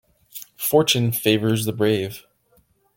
Fortune favours the brave.